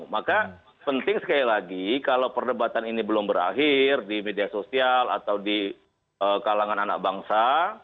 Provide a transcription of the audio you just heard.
maka penting sekali lagi kalau perdebatan ini belum berakhir di media sosial atau di kalangan anak bangsa